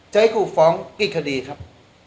จะให้กูฟ้องกี่คดีครับ